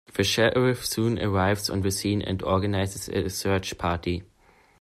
The Sheriff soon arrives on the scene and organizes a search party.